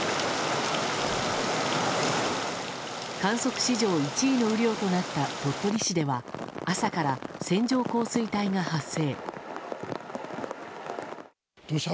観測史上１位の雨量となった鳥取市では朝から線状降水帯が発生。